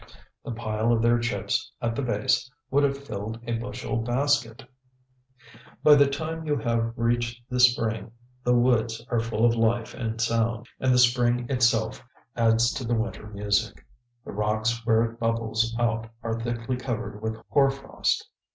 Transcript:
The pile of their chips at the base would have filled a bushel basket. By the time you have reached the spring the woods are full of life and sound, and the spring itself adds to the winter music. The rocks where it bubbles out are thickly covered with hoar frost.